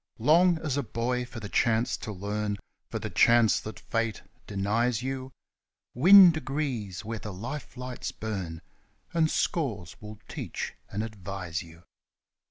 Long, as a boy, for the chance to learn For the chance that Fate denies you ; Win degrees where the Life lights burn, And scores will teach and advise you.